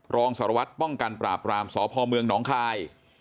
รองสารวัตรป้องกันปราบรามสพเมืองหนองคาย